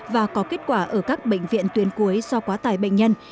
và có kết quả ở các bệnh viện tuyến cuối do quá tải bệnh nhân